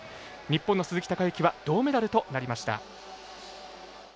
日本の鈴木孝幸は銅メダルとなりました。